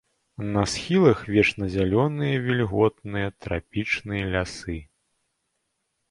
На схілах вечназялёныя вільготныя трапічныя лясы.